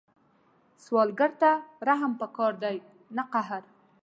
سوالګر ته رحم پکار دی، نه قهر